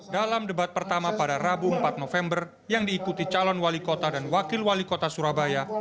dalam debat pertama pada rabu empat november yang diikuti calon wali kota dan wakil wali kota surabaya